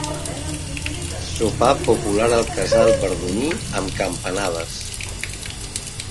Sopar popular al casal verduní amb campanades.